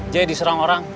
jay diserang orang